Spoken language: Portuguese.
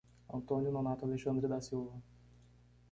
Antônio Nonato Alexandre da Silva